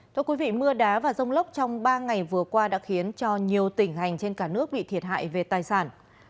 thưa quý vị mưa đá và rông lốc trong ba ngày vừa qua đã khiến cho nhiều tỉnh hành trên cả nước bị thiệt hại về tài sản